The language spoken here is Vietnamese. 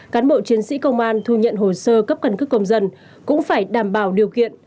cán bộ chiến sĩ công an thu nhận hồ sơ cấp cần cước công dân cũng phải đảm bảo điều kiện